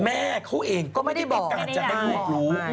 แม่เขาเองก็ไม่ได้บอกการจะให้ลูกรู้